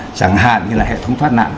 và chẳng hạn như là hệ thống thoát nạn